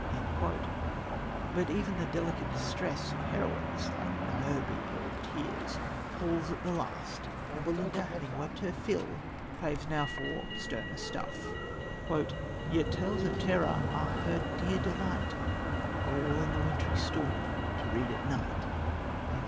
But even the "delicate distress" of heroines, like Niobe, all tears, palls at last, and Belinda, having wept her fill, craves now for "sterner stuff." "Yet tales of terror are her dear delight, All in the wintry storm to read at night."